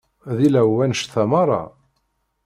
D ilaw wannect-a merra?